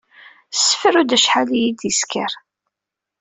Sefru-d acḥal i yi-d-isker.